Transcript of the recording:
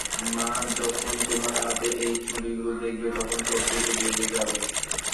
মা যখন তোমার হাতে এই চুড়িগুলো দেখবে, তখন সবকিছু বুঝে যাবে।